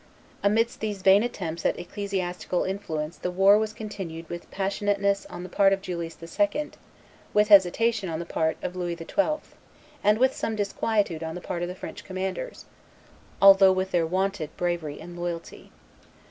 Amidst these vain attempts at ecclesiastical influence the war was continued with passionateness on the part of Julius II., with hesitation on the part of Louis XII., and with some disquietude on the part of the French commanders, although with their wonted bravery and loyalty.